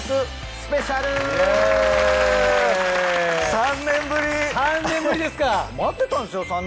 ３年ぶりですか！